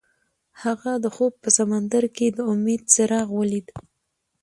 هغه د خوب په سمندر کې د امید څراغ ولید.